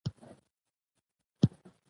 جابير اونبي سره ګير شول